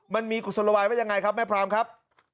มันมีกุศโลบายไหมยังไงครับแม่พรามครับ